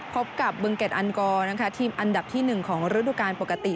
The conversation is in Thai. พบกับเบื้องเกดอันกว่านะคะทีมอันดับที่หนึ่งของฤดูกรรมปกติ